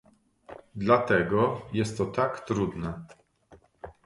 Dlatego jest to tak trudne